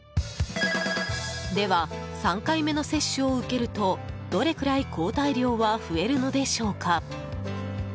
では３回目の接種を受けるとどれくらい抗体量は増えるのでしょうか？